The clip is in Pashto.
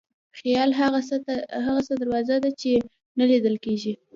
خیال هغه څه ته دروازه ده چې نه لیدل کېږي.